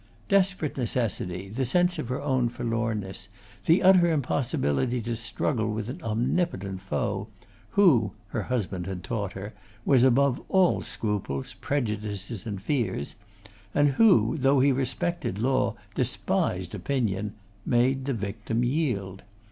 Desperate necessity, the sense of her own forlornness, the utter impossibility to struggle with an omnipotent foe, who, her husband had taught her, was above all scruples, prejudices, and fears, and who, though he respected law, despised opinion, made the victim yield.